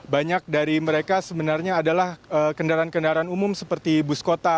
banyak dari mereka sebenarnya adalah kendaraan kendaraan umum seperti bus kota